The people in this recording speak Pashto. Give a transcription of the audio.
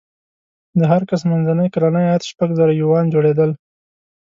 د هر کس منځنی کلنی عاید شپږ زره یوان جوړېدل.